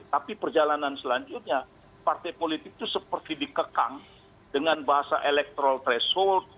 tapi perjalanan selanjutnya partai politik itu seperti dikekang dengan bahasa electoral threshold